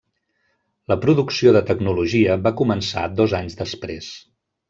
La producció de tecnologia va començar dos anys després.